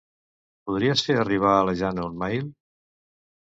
Podries fer arribar a la Jana un mail?